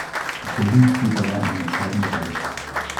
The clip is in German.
Bildung spielt dabei eine entscheidende Rolle.